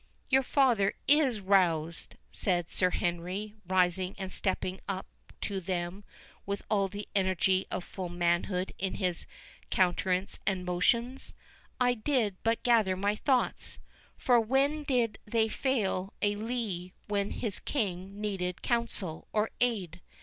"Your father is roused," said Sir Henry, rising and stepping up to them with all the energy of full manhood in his countenance and motions—"I did but gather my thoughts—for when did they fail a Lee when his King needed counsel or aid?"